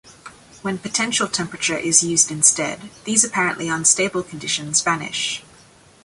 When potential temperature is used instead, these apparently unstable conditions vanish.